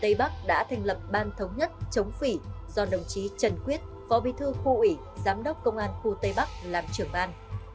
tây bắc đã thành lập ban thống nhất chống phỉ do đồng chí trần quyết phó bí thư khu ủy giám đốc công an khu tây bắc làm trưởng ban